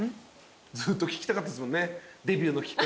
ずっと聞きたかったっすもんね。